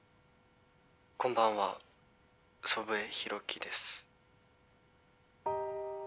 ☎こんばんは祖父江広樹です